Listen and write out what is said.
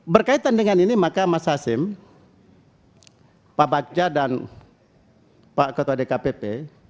berkaitan dengan ini maka mas hasim pak bagja dan pak ketua dkpp